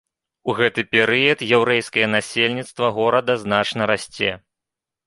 У гэты перыяд яўрэйскае насельніцтва горада значна расце.